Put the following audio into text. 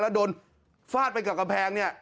แล้วโดนฟาดไปกับกำแพงเนี่ย